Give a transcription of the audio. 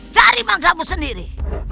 cari bangsamu sendiri